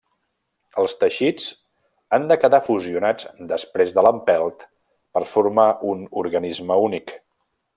Els teixits han de quedar fusionats després de l'empelt per formar un organisme únic.